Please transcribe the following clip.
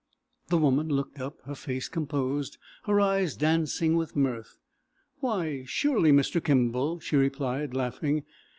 The woman looked up, her face composed, her eyes dancing with mirth. "Why, surely, Mr. Kimball," she replied, laughing.